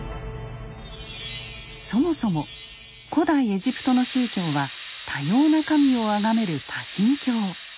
そもそも古代エジプトの宗教は多様な神をあがめる「多神教」。